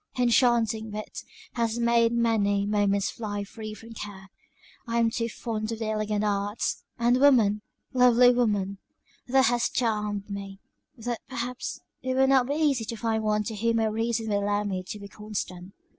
enchanting wit! has made many moments fly free from care. I am too fond of the elegant arts; and woman lovely woman! thou hast charmed me, though, perhaps, it would not be easy to find one to whom my reason would allow me to be constant.